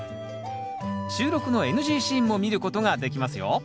収録のＮＧシーンも見ることができますよ。